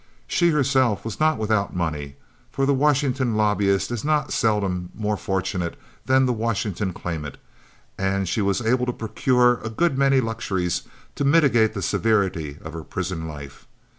She, herself, was not without money, for the Washington lobbyist is not seldom more fortunate than the Washington claimant, and she was able to procure a good many luxuries to mitigate the severity of her prison life.